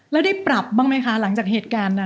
แล้วได้ปรับบ้างไหมคะหลังจากเหตุการณ์นั้น